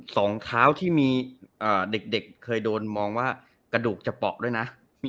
สองเท้าที่มีเด็กเคยโดนมองว่ากระดูกจะเปาะด้วยนะ